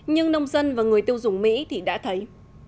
nhưng nông dân và người tiêu dùng mỹ thì đã thấy